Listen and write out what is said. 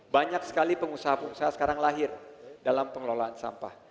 banyak sekali pengusaha pengusaha sekarang lahir dalam pengelolaan sampah